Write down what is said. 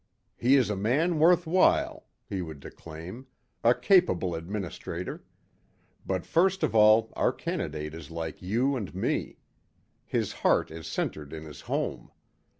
"He is a man worth while," he would declaim, "a capable administrator. But first of all our candidate is like you and me. His heart is centered in his home.